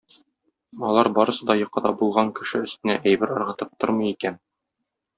Алар барысы да йокыда булган кеше өстенә әйбер ыргытып тормый икән.